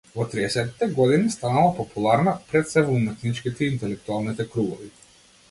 Во триесеттите години станала популарна, пред сѐ во уметничките и интелектуалните кругови.